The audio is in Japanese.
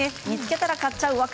見つけたら買っちゃう。